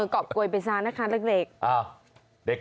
กรอบโกยไปซะนะคะเล็ก